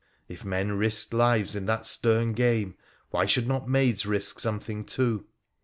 If men risked lives in that stern game, why should not maids risk something too?